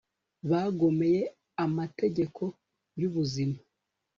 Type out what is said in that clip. bagomeye amategeko yubuzima